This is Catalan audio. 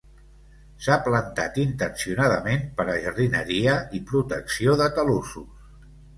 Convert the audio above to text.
S'ha plantat intencionadament per a jardineria i protecció de talussos.